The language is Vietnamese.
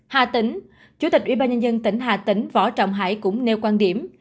hà tĩnh chủ tịch ubnd tỉnh hà tĩnh võ trọng hải cũng nêu quan điểm